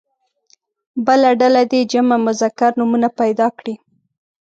بله ډله دې جمع مذکر نومونه پیدا کړي.